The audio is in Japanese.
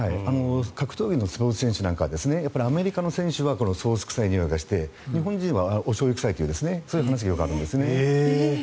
格闘技のスポーツ選手なんかはアメリカの選手はソース臭いにおいがしておしょうゆ臭いというそういう話がよくあるんです。